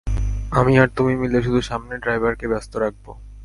আমি আর তুমি মিলে শুধু সামনে ড্রাইভারকে ব্যস্ত রাখব।